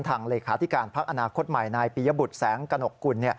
เลขาธิการพักอนาคตใหม่นายปียบุตรแสงกระหนกกุล